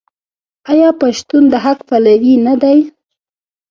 آیا پښتون د حق پلوی نه دی؟